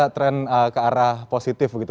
tren ke arah positif begitu